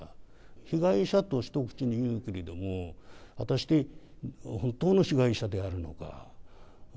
被害者と一口に言うけれども、果たして本当の被害者であるのか。